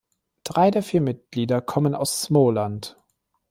Drei der vier Mitglieder kommen aus Småland.